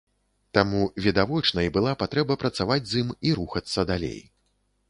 Таму відавочнай была патрэба працаваць з ім і рухацца далей.